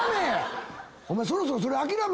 そろそろそれ諦め！